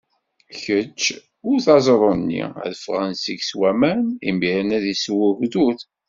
Kečč, wet aẓru-nni, ad d-ffɣen seg-s waman, imiren ad isew ugdud.